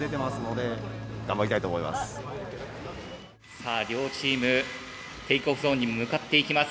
さあ両チームテイクオフゾーンに向かっていきます。